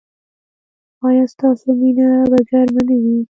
ایا ستاسو مینه به ګرمه نه وي؟